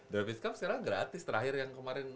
davis cup sekarang gratis terakhir yang kemarin